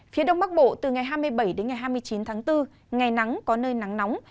phía đông bắc bộ từ ngày hai mươi bảy đến ngày hai mươi chín tháng bốn ngày nắng có nơi nắng nóng